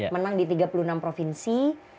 menang di tiga puluh enam provinsi